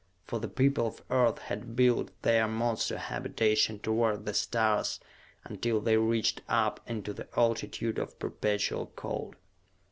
For the people of Earth had built their monster habitation toward the stars until they reached up into the altitude of perpetual cold.